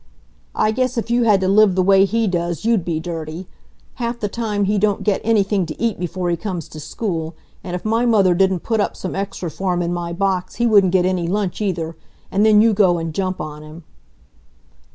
"I guess if you had to live the way he does you'd be dirty! Half the time he don't get anything to eat before he comes to school, and if my mother didn't put up some extra for him in my box he wouldn't get any lunch either. And then you go and jump on him!"